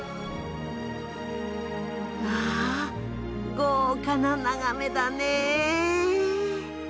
うわ豪華な眺めだね。